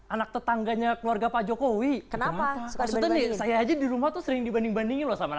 anak tetangganya keluarga pak jokowi kenapa nih saya aja di rumah tuh sering dibanding bandingin loh sama